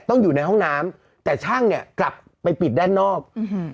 ต้องอยู่ในห้องน้ำแต่ช่างเนี่ยกลับไปปิดด้านนอกอืม